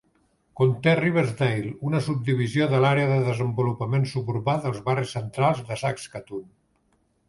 Conté Riversdale, una subdivisió de l'Àrea de Desenvolupament Suburbà dels Barris Centrals de Saskatoon.